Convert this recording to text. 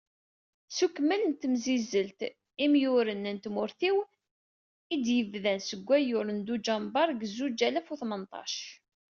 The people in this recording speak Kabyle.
S ukemmel n temsizzelt "Imruyen n tmurt-iw" i yebdan deg wayyur n dujember zuǧ alaf u tmenṭac.